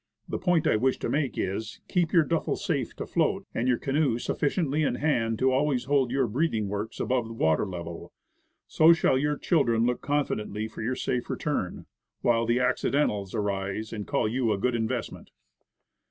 The point I wish to make is, keep your duffle safe to float, and your paddle and canoe sufficiently in hand to always hold your breathing works above water level. So shall your children look confidently for your safe return, while the "Accidentals" arise and call you a good investment.